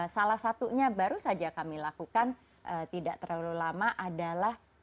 salah satunya baru saja kami lakukan tidak terlalu lama adalah acara bagaimana kita melakukan pemerintahan